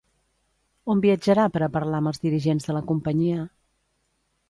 On viatjarà per a parlar amb els dirigents de la companyia?